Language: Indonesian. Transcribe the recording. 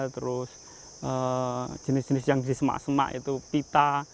terus jenis jenis yang disemak semak itu pita